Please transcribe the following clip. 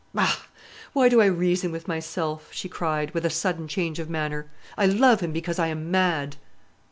Bah! why do I reason with myself?" she cried, with a sudden change of manner. "I love him because I am mad."